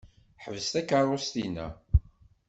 Ḥbes takeṛṛust-inna.